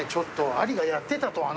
アリがやってたとはなもう。